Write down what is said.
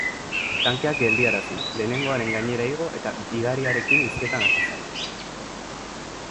Tankeak geldiarazi, lehenengoaren gainera igo eta gidariarekin hizketan hasi zen.